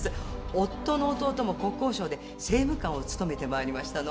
夫の弟も国交省で政務官を務めてまいりましたの。